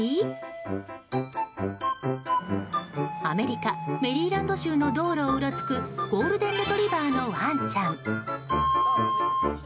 アメリカ・メリーランド州の道路をうろつくゴールデンレトリバーのワンちゃん。